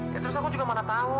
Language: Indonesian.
ya terus aku juga mana tahu